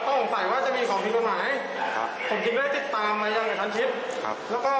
ก็มึงต้นก็มีพวกสิ่งของมีกฎหมายก็มีเป็นยายครับ